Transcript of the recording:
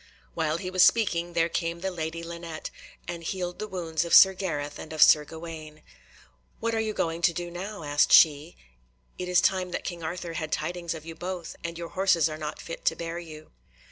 While he was speaking there came the Lady Linet, and healed the wounds of Sir Gareth and of Sir Gawaine. "What are you going to do now?" asked she. "It is time that King Arthur had tidings of you both, and your horses are not fit to bear you."